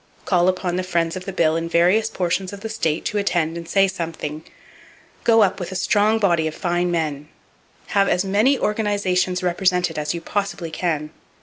Call upon the friends of the bill in various portions of the state to attend and "say something." Go up with a strong body of fine men. Have as many organizations represented as you possibly can!